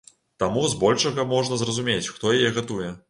Таму збольшага можна зразумець, хто яе гатуе.